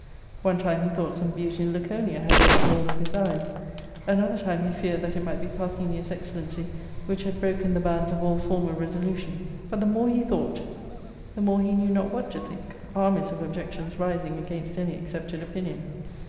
One time he thought some beauty in Laconia had laid hold of his eyes, another time he feared that it might be Parthenia's excellency which had broken the bands of all former resolu tion ; but the more he thought the more he knew not what £ 2 5? ARCADIA,— Book L to think, armies of objections rising against any accepted opinion.